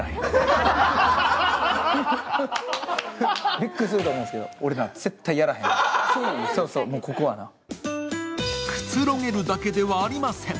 びっくりすると思うんですけど、俺は絶対やらへん、ここはな。くつろげるだけではありません。